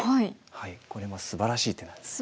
これもすばらしい手なんです。